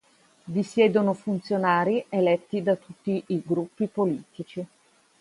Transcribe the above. Vi siedono funzionari eletti da tutti i gruppi politici.